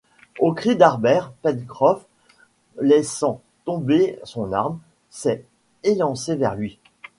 Au cri d’Harbert, Pencroff, laissant tomber son arme, s’était élancé vers lui